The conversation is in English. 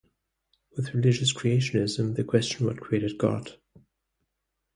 With religious creationism, the question what created God?